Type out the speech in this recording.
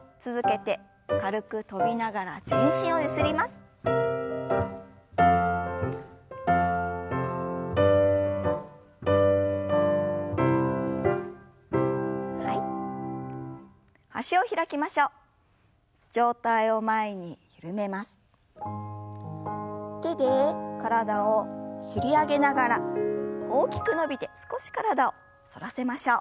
手で体を擦り上げながら大きく伸びて少し体を反らせましょう。